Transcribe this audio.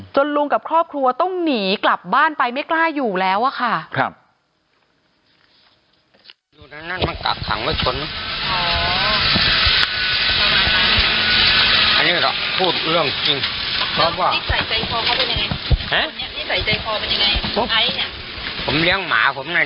ลุงกับครอบครัวต้องหนีกลับบ้านไปไม่กล้าอยู่แล้วอะค่ะ